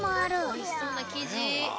おいしそうなきじ。